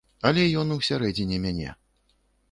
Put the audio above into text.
Але ён усярэдзіне мяне.